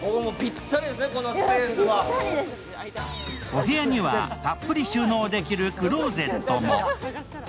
お部屋にはたっぷり収納できるクローゼットも。